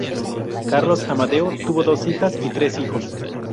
Carlos Amadeo tuvo dos hijas y tres hijos.